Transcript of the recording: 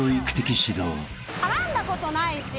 絡んだことないし。